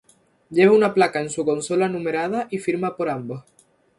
Lleva una placa en su consola numerada y firmada por ambos.